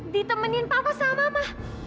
ditemenin papa sama mama